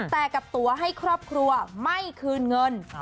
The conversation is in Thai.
แต่กับตัวให้ครอบครัวไม่คืนเงิน